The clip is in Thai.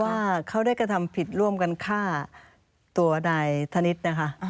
ว่าเขาได้กระทำผิดร่วมกันฆ่าตัวนายธนิษฐ์นะคะ